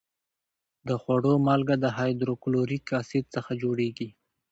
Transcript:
د خوړو مالګه د هایدروکلوریک اسید څخه جوړیږي.